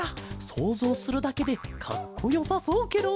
そうぞうするだけでかっこよさそうケロ。